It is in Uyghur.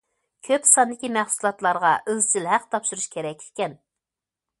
كۆپ ساندىكى مەھسۇلاتلارغا ئىزچىل ھەق تاپشۇرۇش كېرەك ئىكەن.